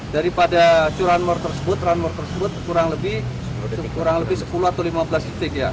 daripada curian mor tersebut curian mor tersebut kurang lebih sepuluh atau lima belas detik ya